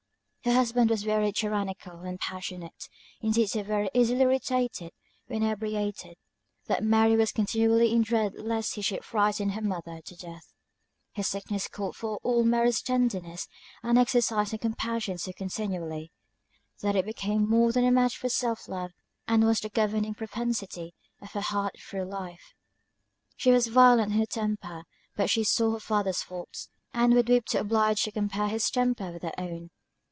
Her husband was very tyrannical and passionate; indeed so very easily irritated when inebriated, that Mary was continually in dread lest he should frighten her mother to death; her sickness called forth all Mary's tenderness, and exercised her compassion so continually, that it became more than a match for self love, and was the governing propensity of her heart through life. She was violent in her temper; but she saw her father's faults, and would weep when obliged to compare his temper with her own.